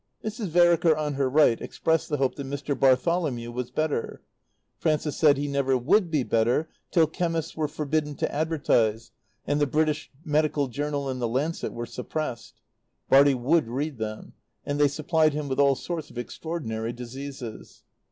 Mrs. Vereker on her right expressed the hope that Mr. Bartholomew was better. Frances said he never would be better till chemists were forbidden to advertise and the British Medical Journal and The Lancet were suppressed. Bartie would read them; and they supplied him with all sorts of extraordinary diseases.